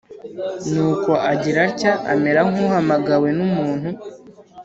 nukoagira atya amera nk’uhamagawe n’umuntu